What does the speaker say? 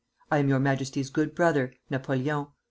I am your Majesty's good brother, NAPOLEON.